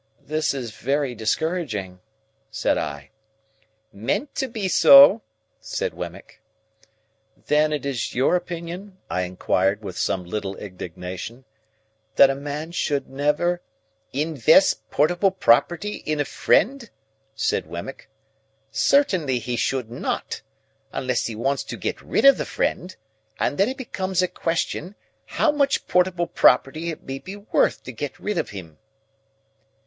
"This is very discouraging," said I. "Meant to be so," said Wemmick. "Then is it your opinion," I inquired, with some little indignation, "that a man should never—" "—Invest portable property in a friend?" said Wemmick. "Certainly he should not. Unless he wants to get rid of the friend,—and then it becomes a question how much portable property it may be worth to get rid of him."